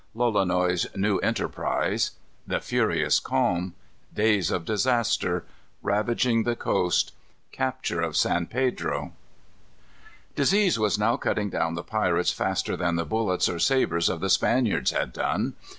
Lolonois's New Enterprise. The "Furious Calm." Days of Disaster. Ravaging the Coast. Capture of San Pedro. Disease was now cutting down the pirates faster than the bullets or sabres of the Spaniards had done.